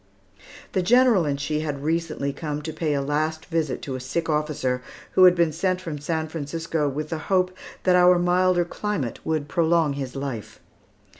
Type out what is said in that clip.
The General and she had recently come to pay a last visit to a sick officer, who had been sent from San Francisco with the hope that our milder climate would prolong his life.